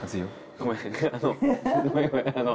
ごめんごめんあの。